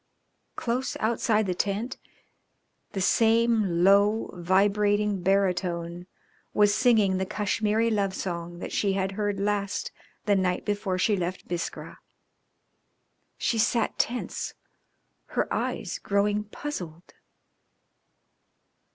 Close outside the tent the same low, vibrating baritone was singing the Kashmiri love song that she had heard last the night before she left Biskra. She sat tense, her eyes growing puzzled.